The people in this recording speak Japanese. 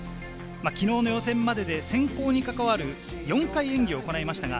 昨日の予選までで選考に関わる４回演技を行いました。